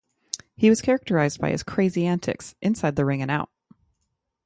He was characterized by his crazy antics inside the ring and out.